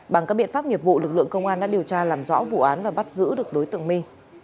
bằng các biện pháp nghiệp vụ lực lượng công an đã điều tra làm rõ vụ án và bắt giữ được đối tượng my